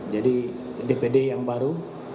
jadi dpd yang baru